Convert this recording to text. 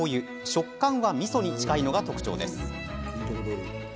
食感は、みそに近いのが特徴です。